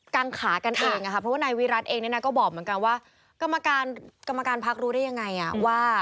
กางขากันเองนะคะ